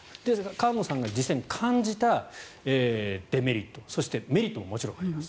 菅野さんが実際に感じたデメリットそして、メリットももちろんあります。